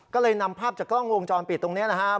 ก็เลยนำภาพจากกล้องวงจรปิดตรงนี้นะครับ